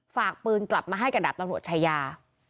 ฝากปืนกลับมาให้กับดาบตำรวจชายา